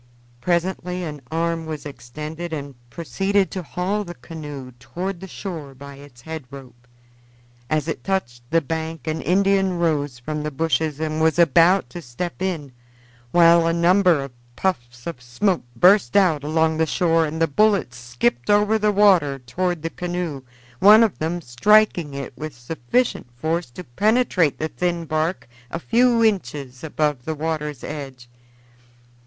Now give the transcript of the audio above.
Presently an arm was extended and proceeded to haul the canoe toward the shore by its head rope. As it touched the bank an Indian rose from the bushes and was about to step in, while a number of puffs of smoke burst out along the shore and the bullets skipped over the water toward the canoe, one of them striking it with sufficient force to penetrate the thin bark a few inches above the water's edge.